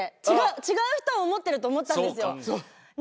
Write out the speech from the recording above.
違う人を思ってると思ったんですよ。